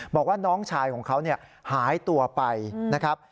บอกว่าน้องชายของเขาหายตัวไปนะครับ